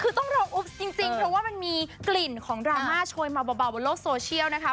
คือต้องรองอุ๊บจริงเพราะว่ามันมีกลิ่นของดราม่าโชยมาเบาบนโลกโซเชียลนะคะ